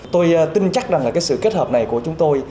tôi tin chắc rằng là cái sự kết hợp này của chúng tôi